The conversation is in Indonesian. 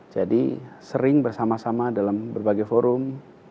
jadi sering bersama sama dalam berbagai forum